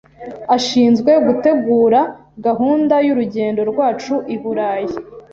Ashinzwe gutegura gahunda y'urugendo rwacu i Burayi.